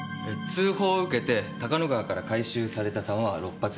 通報を受けて高野川から回収された弾は６発。